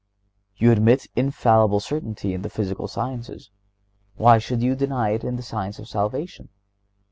You admit infallible certainty in the physical sciences; why should you deny it in the science of salvation?